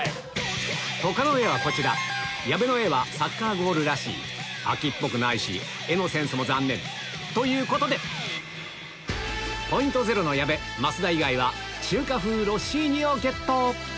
他の絵はこちら矢部の絵はサッカーゴールらしい秋っぽくないし絵のセンスも残念ということでポイントゼロの矢部増田以外はゲット！